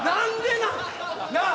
なあ？